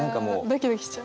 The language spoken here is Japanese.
ドキドキしちゃう？